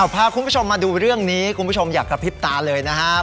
พาคุณผู้ชมมาดูเรื่องนี้คุณผู้ชมอย่ากระพริบตาเลยนะครับ